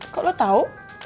kok lo tau